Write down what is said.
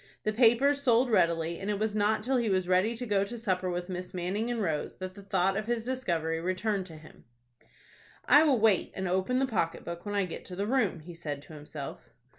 The papers sold readily, and it was not till he was ready to go to supper with Miss Manning and Rose that the thought of his discovery returned to him. "I will wait and open the pocket book when I get to the room," he said to himself.